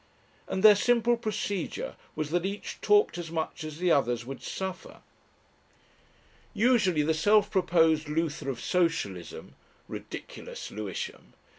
And their simple procedure was that each talked as much as the others would suffer. Usually the self proposed "Luther of Socialism" ridiculous Lewisham!